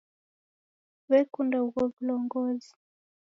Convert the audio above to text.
Siw'ekunda ugho w'ulongozi.